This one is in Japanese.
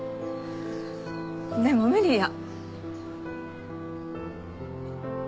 でも無理や。